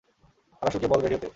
আরাসুকে বল রেডি হতে।